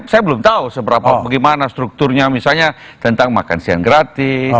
saya belum tahu bagaimana strukturnya misalnya tentang makan siang gratis